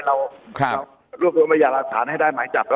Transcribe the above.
เราครับรวบรวมบัญญาณรักษาให้ได้หมายจับ